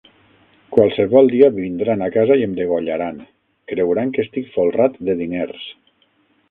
Qualsevol dia vindran a casa i em degollaran; creuran que estic folrat de diners.